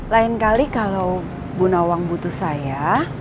lain kali kalau bu nawang butuh saya